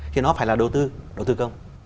thì nó phải là đầu tư đầu tư công